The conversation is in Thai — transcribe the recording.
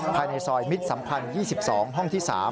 ภายในซอยมิตรสัมพันธ์๒๒ห้องที่๓